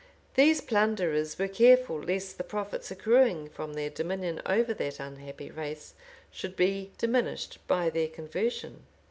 These plunderers were careful lest the profits accruing from their dominion over that unhappy race should be diminished by their conversion.